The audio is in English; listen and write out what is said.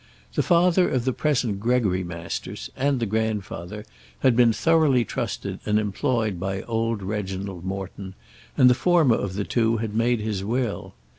The father of the present Gregory Masters, and the grandfather, had been thoroughly trusted and employed by old Reginald Morton, and the former of the two had made his will.